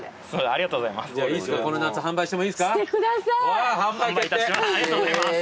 ありがとうございます。